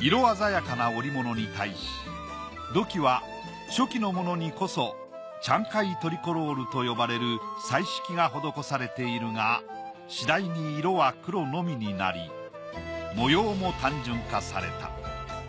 色鮮やかな織物に対し土器は初期のものにこそチャンカイトリコロールと呼ばれる彩色が施されているがしだいに色は黒のみになり模様も単純化された。